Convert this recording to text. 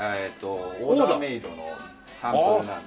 オーダーメイドのサンプルなんで。